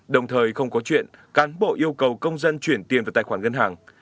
đồng thời không có chuyện cán bộ yêu cầu công dân chuyển tiền vào tài khoản ngân hàng